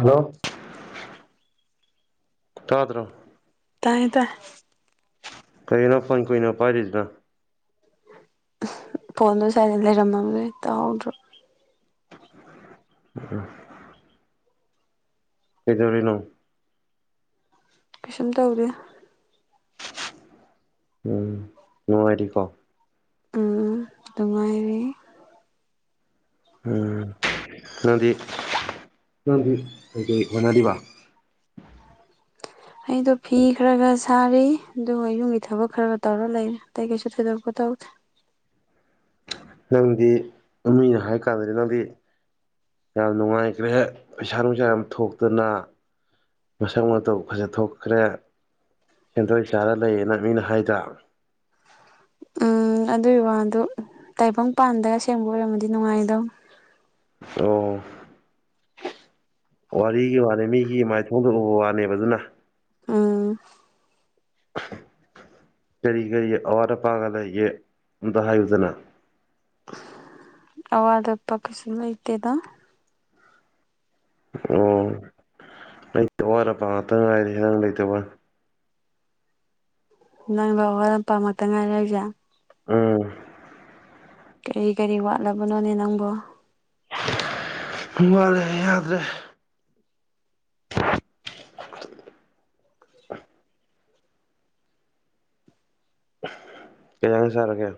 hello [inaudible] ꯊꯥꯗ꯭ꯔꯣ ꯇꯥꯏꯌꯦ ꯇ ꯀꯩ ꯅ ꯐꯅꯤ ꯀꯏ ꯅ ꯄꯥꯏꯔꯤꯖ ꯅ ꯐꯣꯟ ꯁꯥꯏꯂꯦꯟ ꯂꯩ ꯏꯔꯝꯃ ꯇꯥꯍꯧꯗꯔꯕ ꯑ ꯀꯩꯗꯧꯔꯤꯅꯣ ꯀꯩꯁꯨꯝ ꯇꯧꯗꯦ ꯎꯝ ꯅꯪꯉꯥꯏꯔꯤꯀꯣ ꯎꯝ ꯅꯪꯉꯥꯏꯔꯤ ꯎꯝ ꯅꯗꯤ [unintelligible] ꯑꯩꯗꯣ ꯐꯤ ꯈꯔ ꯈ ꯁꯥꯔꯤ ꯑꯗꯨꯒ ꯌꯨꯝꯒꯤ ꯊꯕꯛ ꯈꯔꯒ ꯇꯧꯔ ꯂꯩꯔꯦ ꯑꯇꯩ ꯀꯩꯁꯨ ꯊꯣꯏꯗꯣꯛꯄꯠꯇꯧꯗꯦ [inaudible] ꯅꯪꯗꯤ ꯑꯃꯅ ꯍꯥꯏꯀꯥꯟꯗꯗꯤ ꯅꯪꯗꯤ ꯌꯥꯝ ꯅꯨꯡꯉꯥꯏꯈ꯭ꯔꯦ ꯄꯩꯁꯥ ꯅꯨꯡꯁꯥ ꯌꯥꯝ ꯊꯣꯛꯇꯅ ꯃꯁꯛ ꯃꯇꯧ ꯐꯖ ꯊꯣꯛꯈ꯭ꯔꯦ ꯁꯦꯟꯊꯣꯏ ꯁꯥꯔ ꯂꯩꯌꯦꯅ ꯃꯤꯅ ꯍꯥꯏꯗ ꯎꯝ ꯑꯗꯨꯒꯤ ꯋꯥꯗꯨ ꯇꯥꯏꯕꯪꯄꯥꯟꯗꯒ ꯁꯦꯝꯕ ꯑꯣꯏꯔꯝꯃꯗꯤ ꯅꯨꯡꯉꯥꯏꯗꯧ ꯑꯣ ꯋꯥꯔꯤꯒꯤ ꯋꯥꯅꯤ ꯃꯤꯒꯤ ꯃꯥꯏꯊꯣꯡꯗ ꯎꯕ ꯋꯥꯅꯦꯕ ꯑꯗꯨꯅ ꯎꯝ [inaudible] ꯀꯔꯤ ꯀꯦꯔꯤ ꯑꯋꯥꯔ ꯄꯥꯒꯂ ꯌꯦꯗ ꯍꯥꯏ ꯌꯨꯗꯅ ꯑꯋꯥꯗ ꯄ ꯀꯁꯨꯃ ꯂꯩꯇꯦꯗ ꯑꯣ ꯂꯩꯇꯕꯔ ꯄ ꯉꯥꯛꯇ ꯉꯥꯏꯔꯦ ꯍꯦꯗꯪ ꯂꯩꯇꯕ ꯅꯪ ꯋꯥ ꯂꯝꯄꯥꯛꯃꯛꯇ ꯉꯥꯏꯔꯦ ꯑꯩꯁꯦ ꯎꯝ ꯀꯔꯤ ꯀꯔꯤ ꯋꯥꯠꯂꯕꯅꯣꯅꯦ ꯅꯪꯕꯨ ꯃꯥꯂꯦ ꯌꯥꯗ꯭ꯔꯦ [inaudible] ꯀꯩ ꯍꯤꯟꯖꯥꯡ ꯆꯥꯔꯒꯦ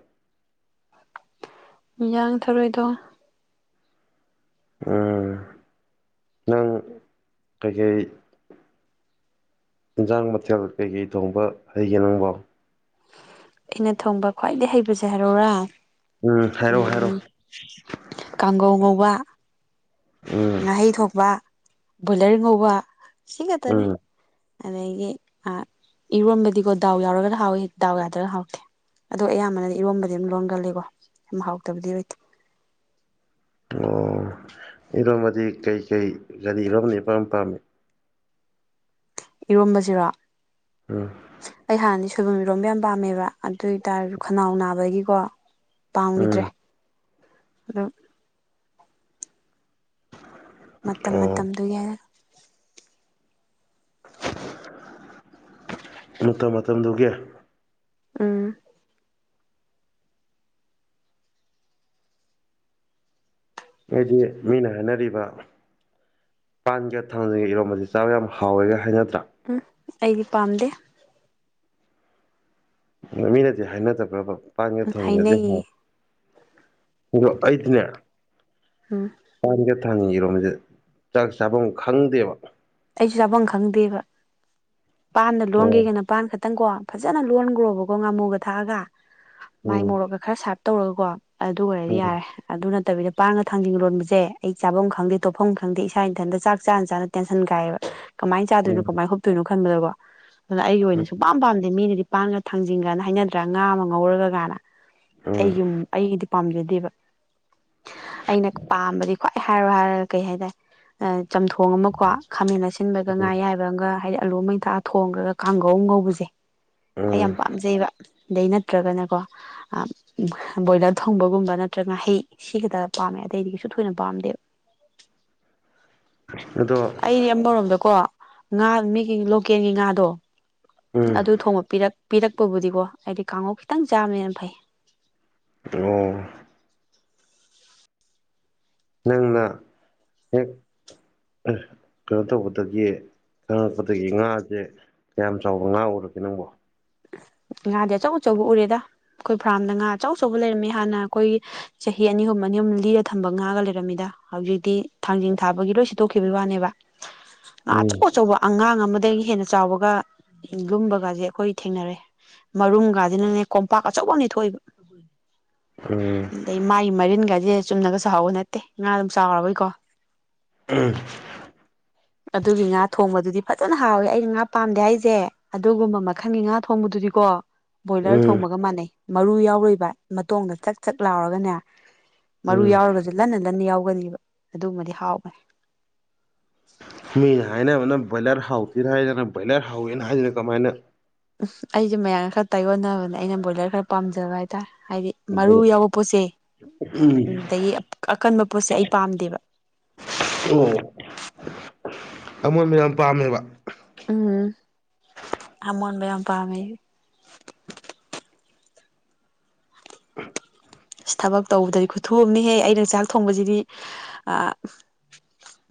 ꯌꯥꯡ ꯊꯔꯣꯏ ꯊꯣꯡꯑꯦ ꯎꯝ ꯅꯪ ꯀꯩꯀꯩ ꯏꯟꯖꯥꯡ ꯃꯊꯦꯜ ꯀꯩꯀꯩ ꯊꯣꯡꯕ ꯍꯩꯒ ꯅꯪꯕꯣ ꯑꯩꯅ ꯊꯣꯡꯕ ꯈ꯭ꯋꯥꯏꯗꯒꯤꯩ ꯍꯩꯕꯁꯦ ꯍꯥꯏꯔꯣꯔꯥ ꯎꯝ ꯍꯥꯏꯔꯛꯑꯣ ꯍꯥꯏꯔꯛꯑꯣ ꯎꯝ ꯀꯥꯡꯒꯧ ꯉꯧꯕ ꯎꯝ ꯉꯥꯍꯩ ꯊꯣꯛꯄ ꯕꯣꯏꯂꯔ ꯉꯧꯕ ꯁꯤ ꯈꯛꯇꯅꯤ ꯎꯝ ꯑꯗꯒꯤ ꯏꯔꯣꯟꯝꯕꯗꯤꯀꯣ ꯗꯥꯎ ꯌꯥꯎꯔꯒ ꯍꯥꯎꯋꯤ ꯗꯥꯎ ꯌꯥꯗ꯭ꯔꯒ ꯍꯥꯎꯏ ꯑꯗꯣ ꯑꯌꯥꯝꯕꯅꯅ ꯏꯔꯣꯝꯕꯗꯤ ꯑꯗꯨꯝ ꯂꯣꯟꯒꯜꯂꯤꯀꯣ ꯁ ꯍꯥꯎꯇꯕꯗꯤ ꯑꯣꯏꯗꯦ ꯑꯣ ꯏꯔꯣꯝꯃꯗꯤ ꯀꯩꯀꯩ ꯒꯥꯔꯤꯔꯣꯝ ꯕꯅ ꯏꯄꯥꯥꯝ ꯄꯥꯝꯃꯤ ꯏꯔꯣꯝꯕꯁꯤꯔꯣ ꯎꯝ ꯑꯩ ꯍꯥꯟꯅꯤ ꯁꯣꯏꯕꯨꯝ ꯏꯔꯣꯝꯕ ꯕꯥꯝ ꯄꯥꯝꯃꯦꯕ ꯑꯗꯨ ꯑꯣꯏꯇꯥꯔꯁꯨ ꯈꯅꯥꯎ ꯅꯥꯕꯒꯤꯀꯣ ꯄꯥꯝꯈꯤꯗ꯭ꯔꯦ ꯎꯝ ꯎꯝ ꯃꯇꯝ ꯑꯣ ꯃꯇꯝꯗꯨꯒꯤ ꯃꯇꯝ ꯃꯇꯝꯗꯨꯒꯤ ꯎꯝ ꯍꯥꯏꯗꯤ ꯃꯤꯅ ꯍꯥꯏꯅꯔꯤꯕ ꯄꯥꯟꯒ ꯊꯥꯡꯖꯤꯡ ꯒ ꯏꯔꯣꯝꯝꯕꯁꯤ ꯆꯥꯕ ꯌꯥꯝ ꯍꯥꯎꯋꯦꯒ ꯍꯥꯏꯅꯕꯅꯦ ꯎꯝ ꯑꯩꯗꯤ ꯄꯥꯝꯗꯦ ꯃꯤꯅꯗꯤ ꯍꯥꯏꯅꯗꯕ꯭ꯔꯥꯕ ꯄꯥꯟꯒ ꯎꯝ ꯊꯥꯡꯖꯤꯡꯒꯁꯦ ꯍꯥꯎ ꯍꯥꯏꯅꯩꯌꯦ ꯑꯗꯣ ꯑꯩꯗꯤꯅꯦ ꯎꯝ ꯊꯥꯡꯅꯤꯡ ꯏꯔꯣꯝꯕꯁꯦ ꯆꯥꯛ ꯆꯥꯐꯝ ꯈꯪꯗꯦꯕ ꯆꯥꯕꯝ ꯈꯪꯗꯦꯕ ꯄꯥꯟꯒ ꯑꯣ ꯂꯣꯟꯒꯦꯒꯅ ꯄꯥꯟ ꯈ ꯈꯤꯇꯪꯀꯣ ꯐꯖꯅ ꯂꯣꯟꯈꯣꯕꯀꯣ ꯉꯥꯃꯨꯒ ꯊꯥꯛꯑꯒ ꯃꯥꯏ ꯎꯝ ꯃꯣꯔꯣꯛꯀ ꯈꯔ ꯁꯥꯔꯞ ꯇꯧꯔꯒꯀꯣ ꯑꯗꯨ ꯑꯣꯏꯔꯗꯤ ꯎꯝ ꯌꯥꯔꯦ ꯑꯗꯨꯅ ꯅꯠꯇꯕꯤꯗ ꯄꯥꯟꯒ ꯊꯥꯡꯖꯤꯡ ꯂꯣꯟꯕꯁꯦ ꯑꯩ ꯆꯥꯐꯝ ꯈꯪꯗꯦ ꯇꯣꯠꯐꯝ ꯈꯪꯗꯦ ꯏꯁꯥ ꯏꯊꯟꯇ ꯆꯥꯅ ꯆꯥꯅ ꯇꯦꯟ ꯟ ꯀꯥꯏꯌꯦꯕ ꯀꯃꯥꯏꯅ ꯆꯥꯗꯣꯏꯅꯣ ꯎꯝ ꯀꯃꯥꯏꯅꯣꯞꯇꯣꯏꯅꯣ ꯈꯟꯕꯗꯀꯣ ꯑꯗꯨꯅ ꯑꯩꯒꯤ ꯑꯣꯏꯅ ꯎꯝ ꯁꯨꯡ ꯄꯝ ꯄꯥꯝꯗꯦ ꯃꯤꯅꯗꯤ ꯄꯥꯟꯒ ꯊꯥꯡꯖꯤꯡꯒꯅ ꯍꯥꯏꯅꯗ꯭ꯔꯥ ꯉꯥ ꯑꯃ ꯉꯧꯔꯒ ꯀꯥꯏꯅ ꯎꯝ ꯑꯩꯒꯤ ꯑꯩꯒꯤꯗꯤ ꯄꯥꯝꯖꯗꯦꯕ ꯑꯩꯅ ꯄꯥꯝꯕꯗꯤ ꯈ꯭ꯋꯥꯏ ꯑꯦ ꯍꯥꯏꯔꯣ ꯍꯥꯏꯔ ꯀꯩ ꯍꯥꯏꯇꯥꯔꯦ ꯆꯝꯊꯣꯡ ꯑꯃ ꯈꯥꯃꯦꯟ ꯑꯁꯤꯟꯕꯒ ꯉꯥ ꯎꯝ ꯌꯥꯏꯕ ꯑꯃꯒ ꯍꯥꯏꯗꯤ ꯑꯂꯨ ꯑꯃ ꯃꯩ ꯊꯥ ꯊꯣꯡꯈ꯭ꯔꯒ ꯀꯥꯡꯒꯧ ꯑꯃ ꯉꯧꯕꯁꯦ ꯑꯩ ꯎꯝ ꯌꯥꯝ ꯄꯥꯝꯖꯩꯕ ꯑꯗꯩ ꯅꯠꯇ꯭ꯔꯒꯅꯀꯣ ꯕꯣꯏꯂꯔ ꯊꯣꯡꯕꯒꯨꯝꯕ ꯅꯠꯇ꯭ꯔꯒꯍꯩ ꯁꯤ ꯈꯛꯇ ꯄꯥꯝꯃꯦ ꯑꯇꯩꯗꯤꯁꯨ ꯊꯣꯏꯅ ꯄꯥꯝꯗꯦꯕ [unintelligible] [inaudible] ꯑꯗꯣ ꯑꯩꯗꯤꯝꯕꯔꯣꯝꯗꯀꯣ ꯉꯥ ꯃꯤꯒꯤ ꯂꯣꯀꯦꯜꯒꯤ ꯉꯥꯗꯣ ꯎꯝ ꯑꯗꯨ ꯊꯣꯡꯕ ꯄꯤꯔꯛ ꯄꯤꯔꯛꯄꯕꯨꯗꯤꯀꯣ ꯑꯩꯗꯤ ꯀꯥꯡꯉꯧ ꯈꯤꯇꯪ ꯆꯥꯕꯅ ꯐꯩ ꯑꯣ ꯅꯪꯅ ꯍꯦꯛ ꯀꯩꯅꯣ ꯇꯧꯕꯗꯒꯤ ꯈꯪꯉꯛꯄꯗꯒꯤ ꯉꯥꯁꯦ ꯀꯌꯥꯝ ꯆꯥꯎꯕ ꯉꯥ ꯎꯔꯛꯀꯦ ꯅꯪꯕꯣ ꯉꯥꯗꯤ ꯑꯆꯧ ꯑꯆꯧꯕ ꯎꯔꯦꯗ ꯑꯩꯈꯣꯏ ꯐꯔꯥꯝꯗ ꯉꯥ ꯑꯆꯧ ꯑꯆꯧꯕ ꯂꯩꯔꯝꯃꯦ ꯍꯥꯟꯅ ꯑꯩꯈꯣꯏꯒꯤ ꯆꯍꯤ ꯑꯅꯤ ꯑꯍꯨꯝ ꯌꯨꯝ ꯂꯤꯔ ꯊꯝꯕ ꯉꯥꯒ ꯂꯩꯔꯝꯃꯤꯗ ꯍꯧꯖꯤꯛꯇꯤ ꯊꯥꯡꯖꯤꯡ ꯊꯥꯕꯒꯤ ꯂꯣꯏ ꯁꯤꯠꯇꯣꯛꯈꯤꯕꯒꯤ ꯋꯥꯅꯦꯕ ꯉ ꯑꯆꯧ ꯎꯝ ꯑꯆꯧꯕ ꯑꯉꯥꯡ ꯑꯃꯗꯒꯤ ꯍꯦꯟꯅ ꯆꯥꯎꯕꯒ ꯂꯨꯝꯕꯒꯁꯦ ꯑꯩꯈꯣꯏ ꯊꯦꯡꯅꯔꯦ ꯃꯔꯨꯝꯒꯁꯤꯅꯅꯦ ꯀꯣꯝꯄꯥꯛ ꯑꯆꯧꯕꯅꯦ ꯊꯣꯛꯏꯕ ꯎꯝ ꯑꯗ ꯃꯥꯏ ꯃꯔꯤꯅꯒ ꯁꯤꯦ ꯆꯨꯝꯅꯒ ꯁꯥꯍꯧꯕ ꯅꯠꯇꯦ ꯉꯥ ꯑꯗꯨꯝ ꯆꯥꯎꯔꯣꯏꯀꯣ ꯎꯝ ꯑꯗꯨꯒꯤ ꯉꯥ ꯊꯣꯡꯕꯗꯨꯗꯤ ꯐꯖꯅ ꯍꯥꯎꯋꯦ ꯑꯩꯅ ꯉꯥ ꯄꯥꯝꯗꯦ ꯍꯥꯏꯁꯦ ꯑꯗꯨꯒꯨꯝꯕ ꯃꯈꯜꯒꯤ ꯉꯥ ꯊꯣꯡꯕꯗꯨꯗꯤ ꯀꯣ ꯕꯣꯏꯂꯔ ꯎꯝ ꯊꯣꯡꯕꯒ ꯃꯥꯟꯅꯩ ꯃꯔꯨ ꯌꯥꯎꯔꯣꯏꯕ ꯃꯇꯣꯡꯗ ꯆꯥꯛ ꯆꯥꯛ ꯂꯥꯎꯔꯒꯅꯦ ꯃꯔꯨ ꯎꯝ ꯌꯥꯎꯔꯒꯁꯨ ꯂꯟꯅ ꯂꯟꯅ ꯌꯥꯎꯒꯅꯤꯕ ꯑꯗꯨꯃꯗꯤ ꯍꯥꯎꯈꯅꯤ ꯃꯤꯅ ꯍꯥꯏꯅꯕꯅ ꯕꯣꯏꯂꯔ ꯍꯥꯎꯇꯦ ꯍꯥꯏ ꯅꯪꯅ ꯕꯣꯏꯂꯔ ꯍꯥꯎꯋꯦꯅ ꯍꯥꯏꯁꯤꯅ ꯀꯃꯥꯏꯅ ꯎꯝ ꯑꯩꯁꯦ ꯃꯌꯥꯝꯒ ꯈꯔ ꯇꯥꯏꯌꯣꯟꯅꯕꯅꯦ ꯑꯩꯅ ꯕ꯭ꯔꯣꯏꯂꯔ ꯈꯔ ꯄꯥꯝꯖꯕ ꯍꯥꯏꯇꯥꯔꯦ ꯍꯥꯏꯗꯤ ꯎꯝ ꯃꯔꯨ ꯌꯥꯎꯕ ꯄꯣꯠꯁꯦ ꯎꯝ ꯑꯗꯩ ꯑꯀꯟꯕ ꯄꯣꯠꯁꯦ ꯑꯩ ꯄꯥꯝꯗꯦꯕ ꯑꯃꯣꯟ ꯃꯌꯥꯝ ꯄꯥꯝꯃꯦꯕ ꯎꯝ ꯑꯃꯣꯟꯕꯌꯥꯝ ꯄꯥꯝꯃꯦ ꯑꯩꯗꯤ ꯑꯁ ꯊꯕꯛ ꯇꯧꯕꯗꯗꯤ ꯈꯨꯊꯨꯑꯝꯅꯤꯍꯦ ꯑꯩꯅ ꯆꯥꯛ ꯊꯣꯡꯕꯁꯤꯗꯤ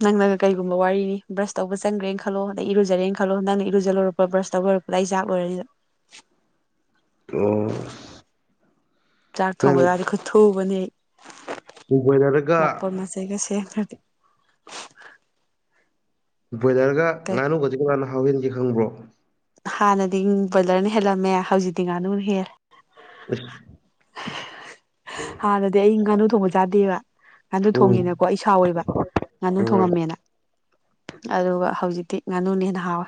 ꯅꯪꯅꯒ ꯀꯩꯒꯨꯝꯕ ꯋꯥꯔꯤꯅꯤ ꯕ꯭ꯔꯁ ꯇꯧꯕ ꯆꯪꯒ꯭ꯔꯦꯅ ꯈꯜꯂꯣ ꯑꯗꯩ ꯏꯔꯨꯖꯔꯦꯅ ꯈꯜꯂ ꯅꯪ ꯏꯔꯨꯖꯂꯨꯔꯛꯄ ꯕ꯭ꯔꯁ ꯇꯧ ꯂꯣꯏꯔꯛ ꯄ ꯑꯣ ꯆꯥꯛ ꯅꯪ ꯊꯣꯡꯕ ꯌꯥꯗꯤ ꯈꯨꯠ ꯊꯨꯕꯅꯦ ꯕꯣꯏꯂꯔꯒ ꯃꯄꯣꯠ ꯃꯆꯩꯒ ꯁꯦꯝꯈ꯭ꯔ ꯕꯣꯏꯂꯔꯒ ꯀꯩ ꯉꯥꯅꯨꯕꯁꯤ ꯀꯖꯅ ꯍꯥꯎꯍꯟꯒꯦ ꯈꯪꯕ꯭ꯔꯣ ꯍꯥꯟꯅꯗꯤ ꯕꯣꯏꯂꯔꯅ ꯍꯦꯜꯂꯝꯃꯦ ꯍꯧꯖꯤꯛꯇꯤ ꯉꯥꯅꯨꯅ ꯍꯦꯜꯂꯦ ꯎ ꯍꯥꯟꯅꯗꯤ ꯑꯩ ꯉꯥꯅꯨ ꯊꯣꯡꯕ ꯆꯥꯗꯦꯕ ꯉꯥꯅꯨ ꯎꯝ ꯊꯣꯡꯉꯦꯅꯀꯣ ꯑꯩ ꯁꯥꯎꯋꯦꯕ ꯉꯥꯅꯨ ꯎꯝ ꯊꯣꯡꯉꯝꯃꯦꯅ ꯑꯗꯨꯒ ꯍꯧꯖꯤꯛꯇꯤ ꯉꯥꯅꯨꯅ ꯍꯦꯟꯅ ꯍꯥꯎꯋꯦ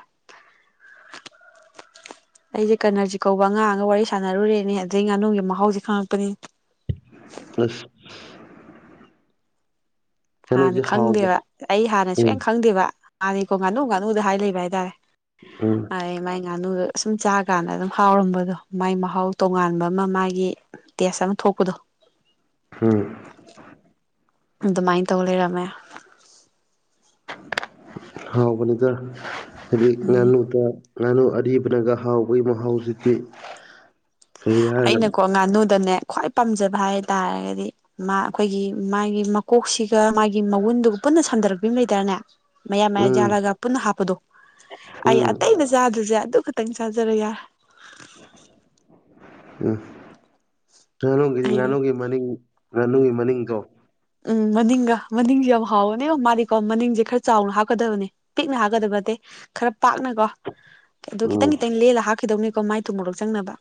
ꯑꯩꯁꯦ ꯀꯅꯔꯖꯤ ꯀꯧꯕ ꯑꯉꯥꯡ ꯑꯒ ꯋꯥꯔꯤ ꯁꯥꯟꯅꯔꯨꯔꯦꯅꯦ ꯑꯗꯩ ꯉꯥꯅꯨꯒꯤ ꯃꯍꯥꯎꯁꯦ ꯈꯪꯉꯛꯄꯅꯤ ꯑꯁ ꯍꯥꯟꯗꯤ ꯉꯥꯅꯨꯁꯦ ꯍꯥꯎꯕ ꯈꯪꯗꯦꯕ ꯑꯩ ꯍꯥꯟꯅꯁꯨꯨꯛ ꯎꯝ ꯈꯪꯗꯦꯕ ꯍꯥꯟꯗꯤꯀꯣ ꯉꯥꯅꯨ ꯉꯥꯅꯨꯗ ꯍꯥꯏ ꯂꯩꯕ ꯍꯥꯏꯇꯥꯔꯦ ꯎꯝ ꯑꯩ ꯃꯥ ꯉꯥꯅꯨꯗ ꯑꯁꯨꯝ ꯆꯥ ꯀꯥꯟꯗ ꯑꯗꯨꯝ ꯍꯥꯎꯔꯝꯕꯗꯣ ꯃꯥꯏ ꯃꯍꯥꯎ ꯇꯣꯉꯥꯟꯕ ꯑꯃ ꯃꯥꯒꯤ ꯇꯦꯁ ꯑꯃ ꯊꯣꯛꯄꯗꯣ ꯎꯝ ꯑꯗꯨꯃꯥꯏꯅ ꯇꯧ ꯂꯩꯔꯝꯃꯦ ꯍꯥꯎꯕꯅꯤꯗ ꯍꯥꯏꯗꯤ ꯎꯝ ꯉꯅꯨꯇ ꯉꯥꯅꯨ ꯑꯔꯤꯕꯅꯒ ꯍꯥꯎꯕꯒꯤ ꯃꯍꯥꯎꯖꯤꯛꯇꯤ ꯑꯩꯅꯀꯣ ꯉꯥꯅꯨꯗꯅꯦ ꯈ꯭ꯋꯥꯏ ꯄꯥꯝꯖꯕ ꯍꯥꯏ ꯇꯥꯔꯒꯗꯤ ꯃꯥ ꯑꯩꯈꯣꯏꯒꯤ ꯃꯥꯒꯤ ꯃꯀꯣꯛꯁꯤꯒ ꯃꯥꯒꯤ ꯃꯒꯨꯟꯗꯨ ꯄꯨꯟꯅ ꯁꯟꯗꯔꯛꯄꯤꯝ ꯑꯃ ꯂꯩꯇꯥꯏꯅꯦ ꯃꯌꯥ ꯃꯌꯥ ꯎꯝ ꯌꯥꯥꯜꯂꯒ ꯄꯨꯟꯅ ꯍꯥꯞꯄꯗꯣ ꯑꯩ ꯎꯝ ꯑꯇꯩꯗ ꯆꯥꯗ꯭ꯔꯁꯦ ꯌꯥꯏ ꯑꯗꯨ ꯈꯇꯪ ꯆꯥꯖꯔꯦ ꯌꯥꯔꯦ ꯎꯝ ꯉꯥꯅꯨꯒꯤꯗꯤ ꯑꯩ ꯉꯥꯅꯨꯒꯤ ꯃꯅꯤꯡ ꯉꯥꯅꯨꯒꯤ ꯃꯅꯤꯡ ꯀꯣ ꯎꯝ ꯃꯅꯤꯡꯒ ꯃꯅꯤꯡ ꯌꯥꯝ ꯍꯥꯎꯋꯅꯦ ꯃꯥꯜꯂꯤꯀꯣ ꯃꯅꯤꯡꯁꯦ ꯈꯔ ꯆꯥꯎꯅ ꯍꯥꯞꯀꯗꯕꯅꯦ ꯄꯤꯛꯅ ꯍꯥꯞꯀꯗꯕꯅꯦ ꯈꯔ ꯄꯥꯛꯅ ꯀꯣ [inaudible] ꯑꯗꯣ ꯈꯤꯇꯪ ꯈꯤꯇꯪ ꯂꯦꯜꯂ ꯍꯥꯞꯈꯤꯗꯧꯅꯤꯀꯣ ꯃꯥꯏ ꯇꯨ ꯃꯣꯔꯣꯛ ꯆꯪꯅꯕ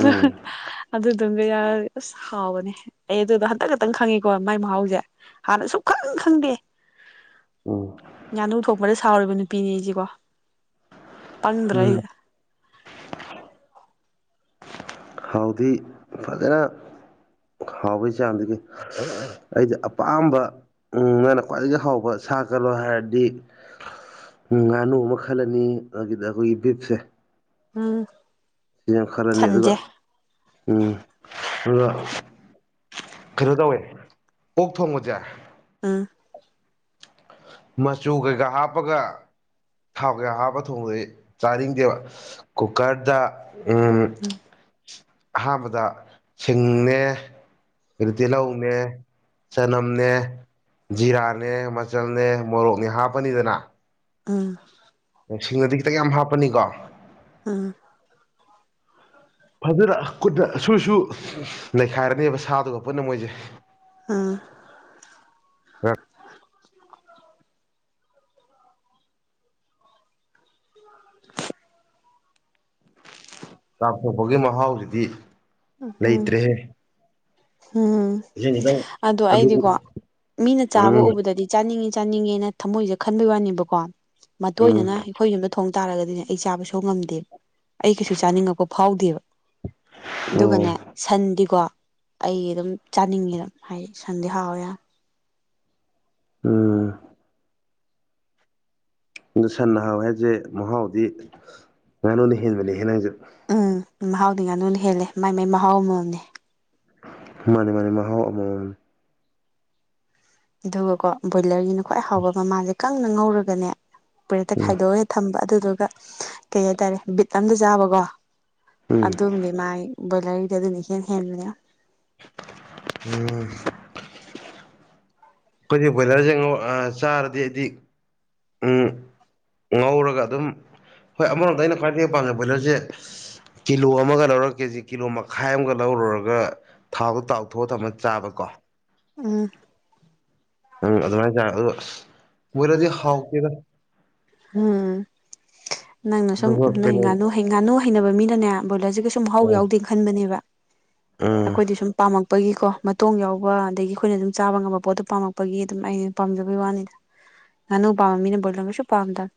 ꯎꯝ ꯑꯗꯨꯗꯨꯝꯒ ꯌꯥꯔ ꯑꯁ ꯍꯥꯎꯕꯅꯦ ꯑꯩ ꯑꯗꯨꯗꯣ ꯍꯟꯇꯛ ꯈꯛꯇꯪ ꯈꯪꯉꯦ ꯀꯣꯏ ꯃꯥꯏ ꯃꯍꯥꯎꯁꯦ ꯍꯥꯟꯅ ꯁꯨꯡꯈꯪ ꯈꯪꯗꯦ ꯎꯝ ꯉꯥꯅꯨ ꯊꯣꯡꯕꯗ ꯁꯥꯎꯔꯤꯕ ꯅꯨꯄꯤꯅꯦ ꯑꯩꯁꯤꯀꯣ ꯄꯪꯗ꯭ꯔ ꯐꯩ ꯎꯝ ꯍꯥꯎꯗꯤ ꯐꯖꯅ ꯍꯥꯎꯕꯩ ꯆꯥꯡꯗꯒꯤ ꯑꯩꯗꯤ ꯑꯄꯥꯝꯕ ꯎ ꯅꯪꯅ ꯈ꯭ꯋꯥꯏꯗꯒꯤ ꯍꯥꯎꯕ ꯁꯥ ꯀꯂꯣ ꯍꯥꯏꯔꯗꯤ ꯎꯝ ꯉꯥꯅꯨ ꯑꯃ ꯈꯜꯂꯅꯤ ꯑꯗꯨꯒꯤꯗ ꯑꯩꯈꯣꯏꯒꯤ ꯕꯤꯞꯁꯦ ꯎꯝ ꯁꯤ ꯌꯥꯝ ꯈꯔꯅꯤ ꯑꯗꯨꯒ ꯁꯟꯁꯦ ꯎꯝ ꯑꯗꯨꯒ ꯀꯩꯅꯣ ꯇꯧꯋꯦ ꯑꯣꯛ ꯊꯣꯡꯕꯁꯦ ꯎꯝ ꯃꯆꯨ ꯀꯩꯀꯥ ꯍꯥꯞꯄꯒ ꯊꯥꯎ ꯀꯌꯥ ꯍꯥꯞꯄ ꯊꯣꯡꯕꯗꯗꯤ ꯆꯥꯅꯤꯡꯗꯦꯕ ꯀꯨꯀꯔꯗ ꯎꯝ ꯑꯍꯥꯟꯕꯗ ꯁꯤꯡꯅꯦ ꯑꯗꯤ ꯇꯤꯜꯍꯧꯅꯦ ꯆꯅꯝꯅꯦ ꯖꯤꯔꯥꯅꯦ ꯆꯜꯅꯦ ꯃꯣꯔꯣꯛꯅꯦ ꯍꯥꯞꯄꯅꯤꯗꯅ ꯎꯝ ꯁꯤꯡꯅꯗꯤ ꯈꯤꯇꯪ ꯌꯥꯝ ꯍꯥꯞꯄꯅꯤꯀꯣ ꯎꯝ ꯐꯖꯅ ꯀꯨꯠꯅ ꯁꯨꯁꯨ ꯂꯩꯈꯥꯏꯔꯅꯦꯕ ꯁꯥꯗꯨꯒ ꯄꯨꯟꯅ ꯃꯣꯏꯁꯦ ꯑꯥ [unintelligible] [inaudible] ꯆꯥꯊꯣꯛꯄꯒꯤ ꯃꯍꯥꯎꯁꯤꯗꯤ ꯎꯝ ꯂꯩꯇ꯭ꯔꯦꯍꯦ ꯎꯝ ꯏꯁꯤꯡ ꯈꯤꯇꯪ ꯑꯗꯣ ꯑꯂꯨ ꯑꯩꯗꯤꯀꯣ ꯃꯤꯅ ꯆꯥꯕ ꯎꯝ ꯎꯕꯗꯗꯤ ꯆꯥꯅꯤꯡꯉꯤ ꯆꯥꯅꯤꯡꯉꯦꯅ ꯊꯝꯃꯣꯏꯁꯦ ꯈꯟꯕꯒꯤ ꯋꯥꯅꯦꯕꯀꯣ ꯃꯇꯦꯏꯅ ꯎꯝ ꯑꯩꯈꯣꯏ ꯌꯨꯝꯗ ꯊꯣꯡ ꯇꯥꯔꯒꯗꯤꯅꯦ ꯑꯩ ꯆꯥꯕ ꯁꯨꯛ ꯉꯝꯉꯝꯗꯦꯕ ꯑꯩ ꯀꯩꯁꯨ ꯆꯥꯅꯤꯡꯉꯛꯄ ꯐꯥꯎꯗꯦꯕ ꯑꯣ ꯑꯗꯨꯒꯅꯦ ꯁꯟꯗꯤꯀꯣ ꯑꯩ ꯑꯗꯨꯝ ꯆꯥꯅꯤꯡꯉꯤ ꯑꯗꯨꯝ ꯍꯥꯏꯗꯤ ꯁꯟꯗꯤ ꯍꯥꯎꯋꯔ ꯎꯝ ꯑ ꯁꯟꯅ ꯍꯥꯎꯋ ꯍꯥꯏꯁꯦ ꯃꯍꯥꯎꯗꯤ ꯉꯥꯅꯨꯅ ꯍꯦꯟꯕꯅꯦ ꯍꯦ ꯅꯪꯁꯦ ꯎꯝ ꯃꯍꯥꯎꯗꯤ ꯉꯥꯅꯨꯅ ꯍꯦꯜꯂꯦ ꯃꯥꯏ ꯃꯥꯏ ꯃꯍꯥꯎ ꯑꯃꯝꯅꯦ ꯃꯥꯅꯦ ꯃꯥꯅꯦ ꯃꯍꯥꯎ ꯑꯃ ꯑꯗꯨꯒꯀꯣ ꯕꯣꯏꯂꯔꯒꯤꯅ ꯈ꯭ꯋꯥꯏ ꯍꯥꯎꯕ ꯃꯥꯁꯦ ꯀꯪꯅ ꯉꯧꯔꯒꯅꯦ ꯄꯨꯔꯦꯠꯇ ꯎꯝ ꯈꯥꯏꯗꯣꯛꯑ ꯍꯦ ꯊꯝꯕ ꯑꯗꯨꯗꯨꯒ ꯀꯩ ꯍꯥꯏ ꯇꯔꯦ ꯕꯤꯠ ꯑꯝꯗ ꯆꯥꯕꯀꯣ ꯎꯝ ꯑꯗꯨꯝꯗꯤ ꯃꯥꯏ ꯕꯣꯏꯂꯔꯒꯤꯗꯤ ꯑꯗꯨꯅꯤ ꯏꯍꯦꯟ ꯍꯦꯟꯜꯕꯅꯦ ꯎꯝ ꯑꯩꯈꯣꯏꯗꯤ ꯕꯣꯏꯂꯔꯁ ꯆꯥꯔꯗꯤ ꯑꯩꯗꯤ ꯎꯝ ꯉꯧꯔꯒ ꯑꯗꯨꯝ ꯍꯣꯏ ꯑꯃꯔꯣꯝꯗ ꯑꯩꯅ ꯈ꯭ꯋꯥꯏꯗꯒꯤ ꯄꯥꯝꯖꯩ ꯕꯣꯏꯂꯔꯁꯦ ꯀꯤꯂꯣ ꯑꯃꯒ ꯂꯧꯔꯀꯦꯖꯤ ꯀꯤꯂꯣ ꯃꯈꯥꯏ ꯑꯃꯒ ꯂꯧꯔꯨꯔꯒ ꯊꯥꯎꯗꯣ ꯇꯥꯎꯊꯣꯛꯑ ꯊꯝꯃ ꯆꯥꯕꯀꯣ [inaudible] ꯎꯝ ꯎꯝ ꯑꯗꯨꯃꯥꯏꯅ ꯆꯥꯔ ꯑꯗꯣ ꯃꯣꯏꯔꯗꯤ ꯍꯥꯎꯇꯦꯗ ꯎꯝ ꯅꯪꯅ ꯁꯨꯝ ꯑꯗꯨꯒ ꯅꯣꯏ ꯀꯩꯅꯣ ꯉꯥꯅꯨ ꯉꯥꯅꯨ ꯍꯩꯅꯕ ꯃꯤꯅꯅꯦ ꯕ꯭ꯔꯣꯏꯂꯔꯁꯤ ꯀꯩꯁꯨꯨꯝ ꯃꯍꯥꯎ ꯎꯝ ꯌꯥꯎꯗꯦꯅ ꯈꯟꯕꯅꯦꯕ ꯑꯩꯈꯣꯏꯗꯤ ꯁꯨꯝ ꯄꯥꯝꯃꯛ ꯄꯒꯤꯀꯣ ꯃꯇꯣꯡ ꯌꯥꯎꯕ ꯑꯗꯒꯤ ꯑꯩꯈꯣꯏꯅ ꯑꯗꯨꯝ ꯆꯥꯕ ꯉꯝꯕ ꯄꯣꯠꯇꯣ ꯄꯥꯝꯃꯛꯄꯒꯤ ꯑꯗꯨꯝ ꯑꯩꯅ ꯄꯥꯝꯖꯕꯩ ꯋꯥꯅꯤꯗ ꯉꯥꯅꯨ ꯄꯝꯕꯥꯃꯤ ꯕꯣꯏꯂꯔ ꯀꯩꯁꯨ ꯄꯥꯝꯗꯕ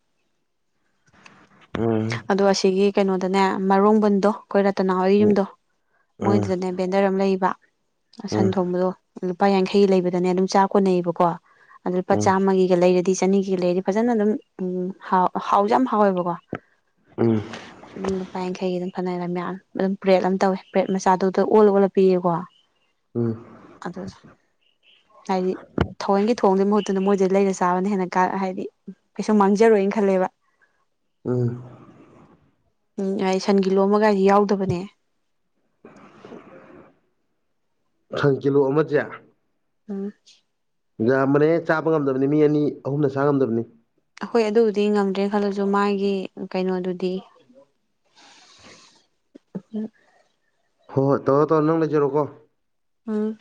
ꯎꯝ ꯎꯝ ꯑꯗꯣ ꯑꯁꯤꯒꯤ ꯀꯩꯅꯣꯗꯅꯦ ꯃꯔꯣꯡꯕꯟꯗꯣ ꯑꯩꯈꯣꯏ ꯔꯇꯅꯥꯍ ꯌꯨꯝꯗꯣ ꯎꯝ ꯃꯣꯏꯗꯨꯗꯅꯦ ꯕꯦꯟꯗꯔ ꯑꯃ ꯂꯩꯕ ꯁꯟ ꯎꯝ ꯎꯝ ꯊꯣꯡꯕꯗꯣ ꯂꯨꯄꯥ ꯌꯥꯡꯈꯩ ꯂꯩꯕꯗꯅꯦ ꯑꯗꯨꯝ ꯆꯥꯛ ꯀꯣꯟꯅꯩꯌꯦꯕꯀꯣ ꯑ ꯂꯨꯄꯥ ꯆꯥꯝꯃꯒꯤꯒ ꯂꯩꯔꯗꯤ ꯆꯅꯤꯒꯤꯒ ꯂꯩꯔꯗꯤ ꯐꯖꯅ ꯑꯗꯨꯝ ꯍꯥꯎꯁꯨ ꯌꯥꯝ ꯍꯥꯎꯋꯦꯕꯀꯣ ꯑꯗꯨꯝ ꯂꯨꯄꯥ ꯌꯥꯡꯈꯩꯒꯤ ꯑꯗꯨꯝ ꯐꯅꯅ ꯃꯌꯥꯝ ꯑꯗꯨꯝ ꯕ꯭ꯔꯦꯗ ꯑꯃ ꯇꯧꯋꯦ ꯕ꯭ꯔꯦꯗ ꯃꯆꯥꯗꯨꯗ ꯑꯣꯜꯂ ꯑꯣꯜꯂ ꯄꯤꯌꯦꯀꯣ ꯎꯝ ꯎꯝ ꯎꯝ ꯑꯗꯨ ꯍꯥꯏꯗꯤ ꯊꯑꯣꯏꯟꯒꯤ ꯊꯣꯡꯕꯒꯤ ꯃꯍꯨꯠꯇꯨꯅ ꯃꯣꯏꯗ ꯂꯩꯅ ꯆꯥꯕꯅ ꯍꯦꯟꯅ ꯀ ꯍꯥꯏꯕꯗꯤ ꯀꯩꯁꯨ ꯃꯥꯡꯖꯔꯣꯏꯅ ꯈꯜꯂꯦꯕ ꯎꯝ ꯎꯝ ꯑꯩ ꯁꯟꯒꯤ ꯀꯤꯂꯣꯃꯒꯥꯏꯁꯤ ꯌꯥꯎꯗꯕꯅꯦ ꯁꯟꯀꯤꯂꯣ ꯑꯃꯁꯦ ꯎꯝ ꯌꯥꯝꯕꯅꯦ ꯆꯥꯕ ꯉꯝꯗꯕꯅꯤ ꯃꯤ ꯑꯅꯤ ꯑꯍꯨꯝꯅ ꯆꯥ ꯉꯝꯗꯕꯅꯤ ꯑꯩꯈꯣꯏ ꯑꯗꯨꯕꯨꯗꯤ ꯉꯝꯗ꯭ꯔꯦ ꯈꯜꯂꯁꯨ ꯃꯥꯒꯤ ꯀꯩꯅꯣꯗꯨꯗꯤ ꯎꯝ ꯍꯣꯏ ꯍꯣꯏ ꯇꯧꯔꯣ ꯇꯧꯔꯣ ꯅꯪ ꯂꯩꯖꯔꯛꯑꯣꯀꯣ ꯎꯝ